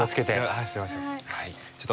ああすいません。